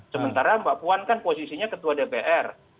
sementara mbak puan kan posisinya ketua dpr